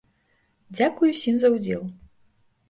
Дзякуй усім за удзел!